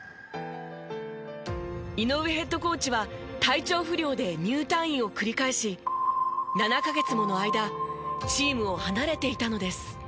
井上ヘッドコーチは体調不良で入退院を繰り返し７カ月もの間チームを離れていたのです。